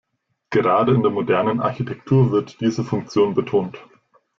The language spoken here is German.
Gerade in der modernen Architektur wird diese Funktion betont.